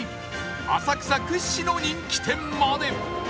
浅草屈指の人気店まで